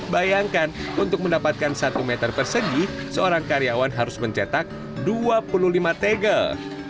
bayangkan untuk mendapatkan satu meter persegi seorang karyawan harus mencetak dua puluh lima tegel